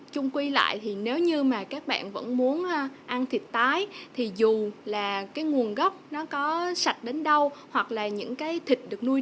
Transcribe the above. trung quy lại thì nếu như mà các bạn vẫn muốn ăn thịt tái thì dù là cái nguồn gốc nó có sạch đến đâu hoặc là những cái thịt được nuôi